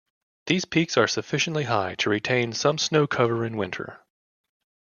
These peaks are sufficiently high to retain some snow cover in winter.